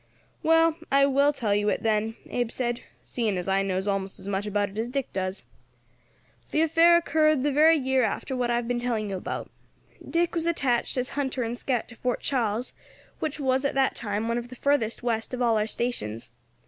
"Well, I will tell you it then," Abe said, "seeing that I knows almost as much about it as Dick does. The affair occurred the very year after what I have been telling you about. Dick was attached as hunter and scout to Fort Charles, which was, at that time, one of the furthest west of all our stations.